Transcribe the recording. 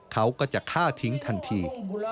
เขาก็จะฆ่าทิ้งทันที